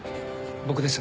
僕です